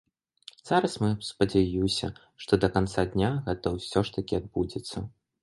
Зараз мы спадзяюся, што да канца дня гэта ўсё ж такі адбудзецца.